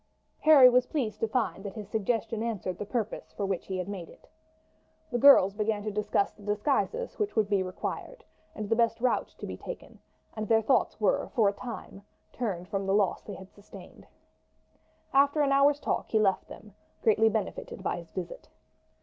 Harry was pleased to find that his suggestion answered the purpose for which he made it. The girls began to discuss the disguises which would be required and the best route to be taken, and their thoughts were for a time turned from the loss they had sustained. After an hour's talk he left them greatly benefited by his visit.